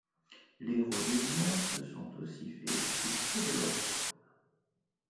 Les Rhodésiens se sont aussi fait expulser de leur fermes.